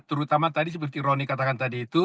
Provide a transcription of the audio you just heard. terutama tadi seperti roni katakan tadi itu